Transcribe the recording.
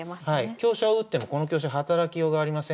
香車を打ってもこの香車働きようがありませんのでね